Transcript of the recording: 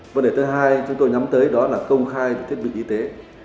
vấn đề thứ hai chúng tôi nhắm tới đó là công khai thiết bị y tế